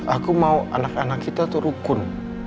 aku mau anak anak kita tuh rukun